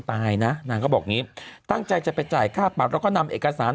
ตายนะนางก็บอกอย่างนี้ตั้งใจจะไปจ่ายค่าปรับแล้วก็นำเอกสาร